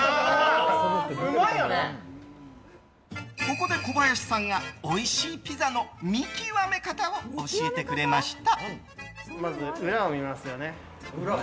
ここで、小林さんがおいしいピザの見極め方を教えてくれました。